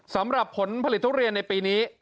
สำหรับผลผลิตทุเรียนในปีนี้